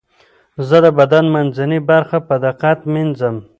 زه د بدن منځنۍ برخه په دقت مینځم.